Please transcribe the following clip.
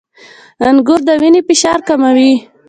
• انګور د وینې فشار کموي.